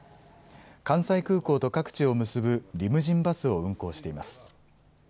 関西空港と各地を結ぶリムジンバスを運行しています。